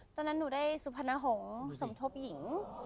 ตอนนั้นหนูได้สุพนหงษ์สมทบหญิง